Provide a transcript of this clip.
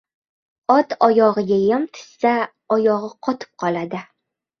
— Ot oyog‘iga yem tushsa, oyog‘i qotib qoladi.